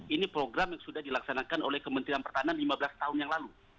ini program yang sudah dilaksanakan oleh kementerian pertahanan lima belas tahun yang lalu